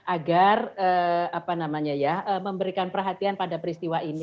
agar memberikan perhatian pada peristiwa ini